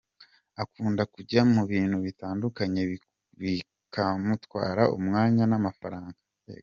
Akunda kujya mu bintu bitandukanye bikamutwara umwanya n’amafaranga.